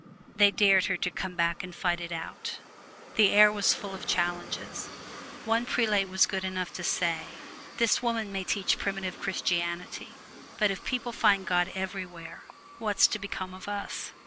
They dared her to come back and fight it out. The air was full of challenges. One prelate was good enough to say, "This woman may teach primitive Christianity but if people find God everywhere, what's to become of us!"